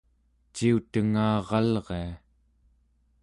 ciutengaralria